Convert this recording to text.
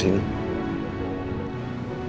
gue seneng lo mau kesini